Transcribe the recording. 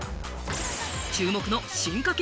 注目の進化系